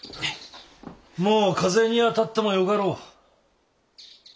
もう風に当たってもよかろう。